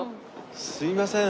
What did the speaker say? すみません。